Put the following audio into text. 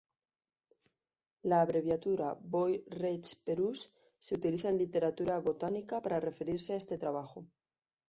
La abreviatura Voy.Rech.Perouse se utiliza en literatura botánica para referirse a este trabajo.